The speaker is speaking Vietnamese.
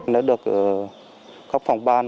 nó được khắp phòng ban